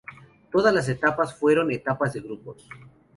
Todas las etapas fueron etapas de grupos.